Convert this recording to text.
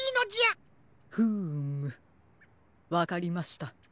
フームわかりました。